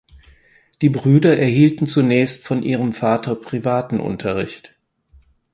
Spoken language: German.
Die Brüder erhielten zunächst von ihrem Vater privaten Unterricht.